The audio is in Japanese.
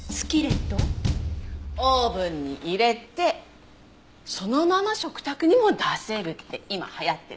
オーブンに入れてそのまま食卓にも出せるって今流行ってる。